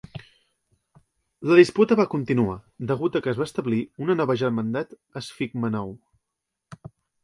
La disputa va continuar, degut a que es va establir una nova "germandat esfigmenou".